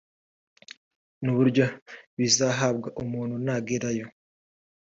n’uburyo bizahabwa umuntu nagerayo